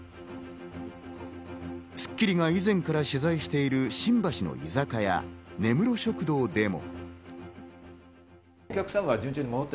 『スッキリ』が以前から取材している新橋の居酒屋・根室食堂でも。